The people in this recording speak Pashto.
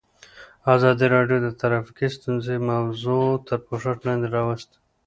ازادي راډیو د ټرافیکي ستونزې موضوع تر پوښښ لاندې راوستې.